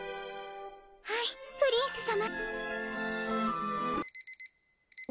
はいプリンス様。